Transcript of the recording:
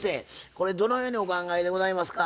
これどのようにお考えでございますか？